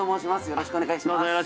よろしくお願いします。